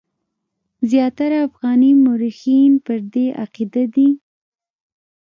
زیاتره افغاني مورخین پر دې عقیده دي.